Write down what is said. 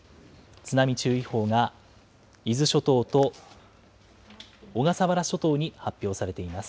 津波注意報が伊豆諸島と小笠原諸島に発表されています。